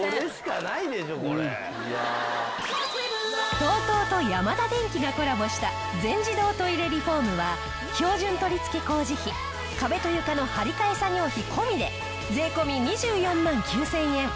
ＴＯＴＯとヤマダデンキがコラボした全自動トイレリフォームは標準取り付け工事費壁と床の張り替え作業費込みで税込２４万９０００円。